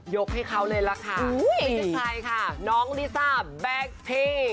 ให้เขาเลยล่ะค่ะไม่ใช่ใครค่ะน้องลิซ่าแบ็คพี่